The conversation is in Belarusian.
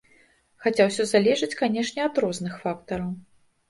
Хаця ўсё залежыць, канечне, ад розных фактараў.